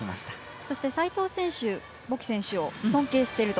そして齋藤選手ボキ選手を尊敬していると。